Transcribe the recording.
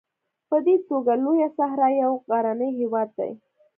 په دې توګه لویه صحرا یو غرنی هېواد دی.